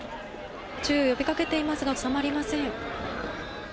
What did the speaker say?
注意を呼びかけていますが収まりません。